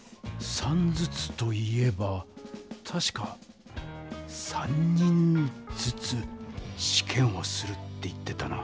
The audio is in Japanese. ３ずつと言えばたしか「３人ずつしけんをする」って言ってたな。